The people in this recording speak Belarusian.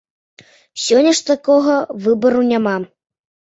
Сёння ж такога выбару няма.